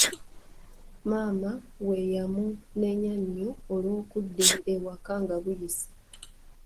Maama we yamunenya nnyo olw'okudda ewaka nga buyise.